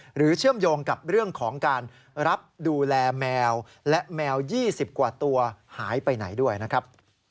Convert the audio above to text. เชื่อมโยงกับเรื่องของการรับดูแลแมวและแมว๒๐กว่าตัวหายไปไหนด้วยนะครับ